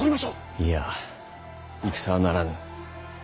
いいや戦はならぬ。